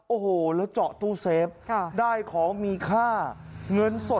โอ้โหแล้วเจาะตู้เซฟได้ของมีค่าเงินสด